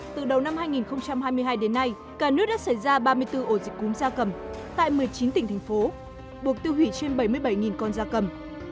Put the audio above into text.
từ đầu năm hai nghìn hai mươi hai đến nay cả nước đã xảy ra ba mươi bốn ổ dịch cúm gia cầm tại một mươi chín tỉnh thành phố buộc tiêu hủy trên bảy mươi bảy con da cầm